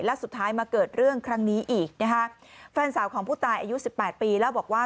และสุดท้ายมาเกิดเรื่องครั้งนี้อีกนะคะแฟนสาวของผู้ตายอายุสิบแปดปีเล่าบอกว่า